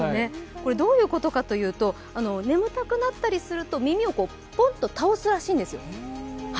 これ、どういうことかと言いますと、眠たくなったりすると、耳をポンと倒すらしいんですよ。